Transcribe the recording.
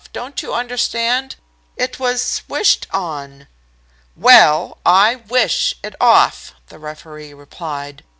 Don't you understand it was wished on!' "'Well! I "wish" it off,' the referee replied.